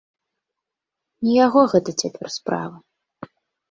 Не яго гэта цяпер справа.